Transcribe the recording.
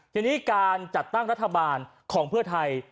ทีนี้การจัดตั้งรัฐบาลของเพื่อไทย